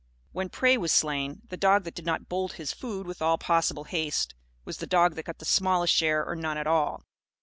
When prey was slain, the dog that did not bolt his food with all possible haste was the dog that got the smallest share or none at all.